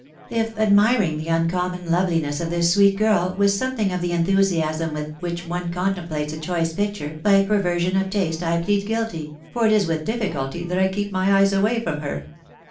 If admiring the uncommon loveliness of this sweet girl with something of the enthusiasm with which one contemplates a choice picture, be perversion of taste, I plead guilty, for it is with difficulty that I keep my eyes away from her